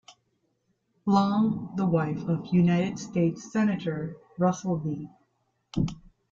Long, the wife of United States Senator Russell B.